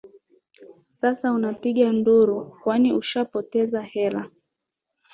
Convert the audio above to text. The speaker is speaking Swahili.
Sasa unapiga nduru kwani ushapoteza hela.